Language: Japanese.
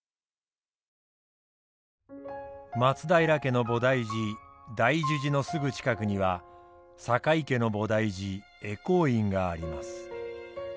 松平家の菩提寺大樹寺のすぐ近くには酒井家の菩提寺回向院があります。